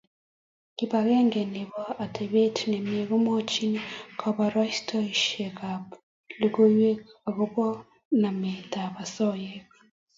Kibagenge nebo atebet nemie komwoch koborostoikab logoiwek agobo nametab osoya